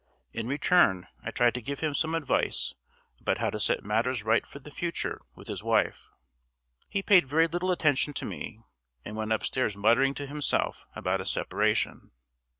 In return, I tried to give him some advice about how to set matters right for the future with his wife. He paid very little attention to me, and went upstairs muttering to himself about a separation.